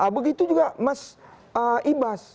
begitu juga mas ibas